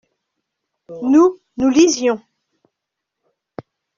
Nous, nous lisions.